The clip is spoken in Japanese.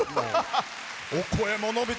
お声も伸びて。